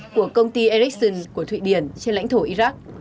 của công ty ericsson của thụy điển trên lãnh thổ iraq